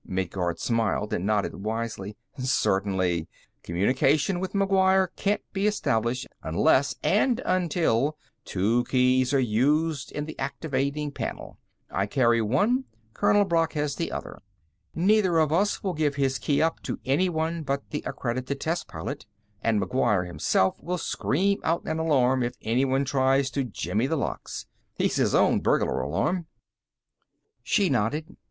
Midguard smiled and nodded wisely. "Certainly. Communication with McGuire can't be established unless and until two keys are used in the activating panel. I carry one; Colonel Brock has the other. Neither of us will give his key up to anyone but the accredited test pilot. And McGuire himself will scream out an alarm if anyone tries to jimmy the locks. He's his own burglar alarm." She nodded.